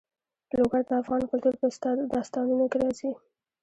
لوگر د افغان کلتور په داستانونو کې راځي.